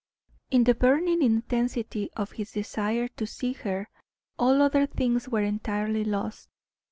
In the burning intensity of his desire to see her, all other things were entirely lost.